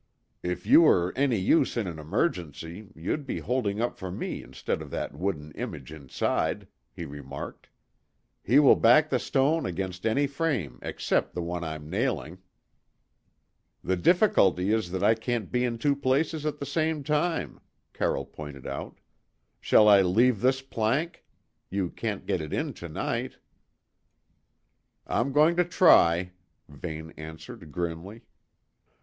"If you were any use in an emergency, you'd be holding up for me instead of that wooden image inside," he remarked. "He will back the stone against any frame except the one I'm nailing." "The difficulty is that I can't be in two places at the same time," Carroll pointed out. "Shall I leave this plank? You can't get it in to night." "I'm going to try," Vane answered grimly.